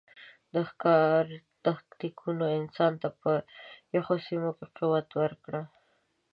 د ښکار تکتیکونو انسان ته په یخو سیمو کې قوت ورکړ.